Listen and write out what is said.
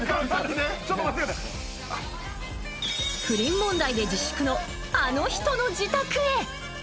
不倫問題で自粛のあの人の自宅へ。